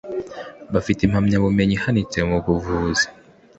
bafite impamyabumenyi ihanitse mu buvuzi